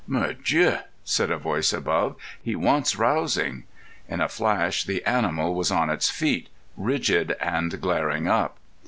"Mordieu!" said a voice above. "He wants rousing." In a flash the animal was on its feet, rigid and glaring up.